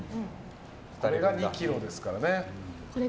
それが２ｋｇですからね。